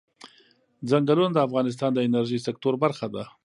چنګلونه د افغانستان د انرژۍ سکتور برخه ده.